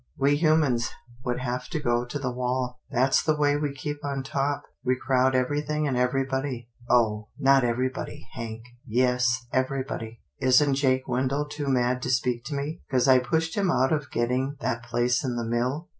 We humans would have to go to the wall. That's the way we keep on top. We crowd everything and everybody." " Oh ! not everybody, Hank." " Yes, everybody. Isn't Jake Wendell too mad to speak to me, 'cause I pushed him out of getting that place in the mill?